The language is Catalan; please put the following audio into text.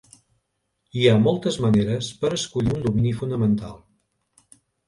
Hi ha moltes maneres per escollir un domini fonamental.